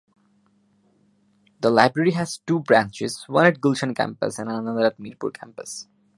The library has two branches: one at Gulshan Campus and another at Mirpur Campus.